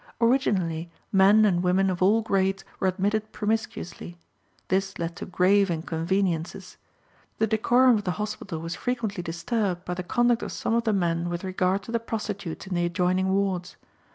Originally, men and women of all grades were admitted promiscuously. This led to grave inconveniences. The decorum of the hospital was frequently disturbed by the conduct of some of the men with regard to the prostitutes in the adjoining wards.